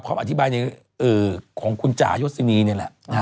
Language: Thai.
ความอธิบายของคุณจ่ายศนีเนี่ยแหละ